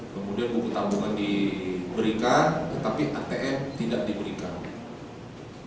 kemudian buku tabungan diberikan tetapi atm tidak diberikan